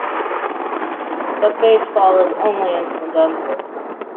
But baseball is only incidental.